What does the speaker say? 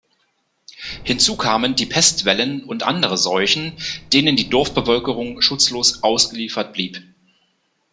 Hinzu kamen die Pestwellen und andere Seuchen, denen die Dorfbevölkerung schutzlos ausgeliefert blieb.